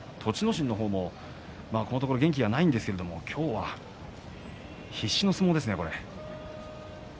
心もこのところ元気がないんですけれど今日は必死の相撲ですね。